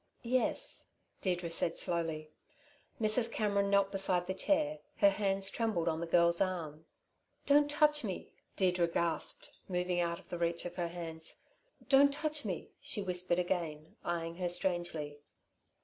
"Yes," Deirdre said slowly. Mrs. Cameron knelt beside the chair. Her hands trembled on the girl's arm. "Don't touch me," Deirdre gasped, moving out of the reach of her hands. "Don't touch me," she whispered again, eyeing her strangely.